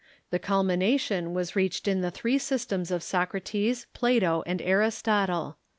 The culmination was reached in the three systems of Socrates, Plato, and Aristotle.